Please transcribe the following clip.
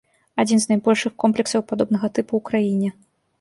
Адзін з найбольшых комплексаў падобнага тыпу ў краіне.